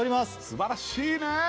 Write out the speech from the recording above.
すばらしいねぇ！